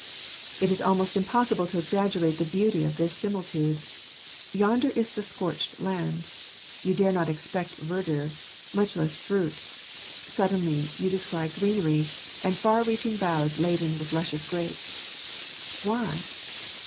It is almost impossible to exaggerate the beauty of this similitude. Yonder is the scorched land. You dare not expect verdure, much less fruit. Suddenly you descry greenery, and far reaching boughs laden with luscious grapes. Why?